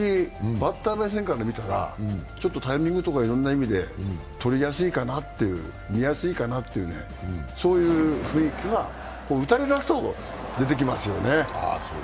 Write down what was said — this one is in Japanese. バッター目線から見たらちょっとタイミングとかいろんな意味でとりやすいかなって、見やすいかなっていう、そういう雰囲気は、打たれ出すと出てきますよね。